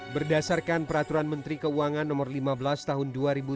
berdasarkan peraturan menteri keuangan no lima belas tahun dua ribu tujuh belas